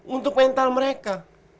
untuk mental mereka